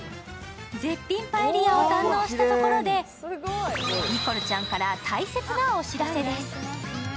絶品パエリアを堪能したところでニコルちゃんから大切なお知らせです。